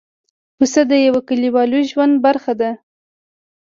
پسه د یوه کلیوالو ژوند برخه ده.